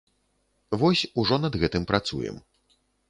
Вось, ужо над гэтым працуем.